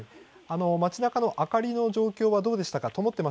町なかの明かりの状況はどうでしたか。